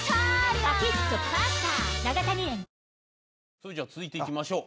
それじゃあ続いていきましょう。